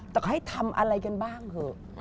แต่ให้ทำอะไรกันบ้างเถอะ